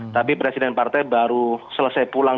tapi presiden partai baru selesai pulang